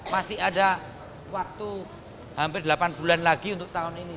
masih ada waktu hampir delapan bulan lagi untuk tahun ini